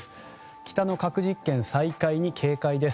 北の核実験再開に警戒。